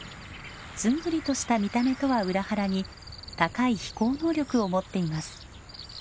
ずんぐりとした見た目とは裏腹に高い飛行能力を持っています。